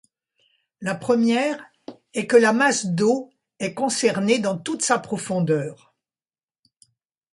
La première est que la masse d'eau est concernée dans toute sa profondeur.